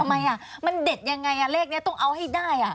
ทำไมมันเด็ดยังไงเลขนี้ต้องเอาให้ได้